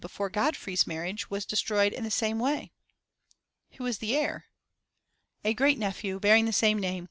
before Godfrey's marriage was destroyed in the same way.' 'Who is the heir?' 'A great nephew bearing the same name.